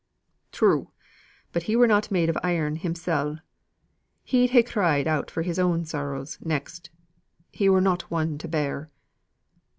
"True! but he were not made of iron himsel'. He'd ha' cried out for his own sorrows, next. He were not one to bear."